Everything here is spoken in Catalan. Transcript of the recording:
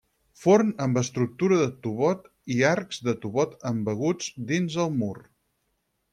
Forn amb estructura de tovot i arcs de tovot embeguts dins el mur.